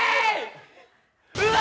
うわ！